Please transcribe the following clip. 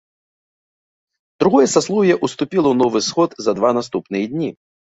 Другое саслоўе ўступіла ў новы сход за два наступныя дні.